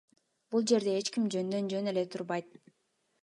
Бул жерде эч ким жөндөн жөн эле турбайт.